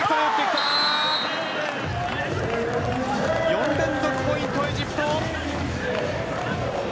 ４連続ポイント、エジプト。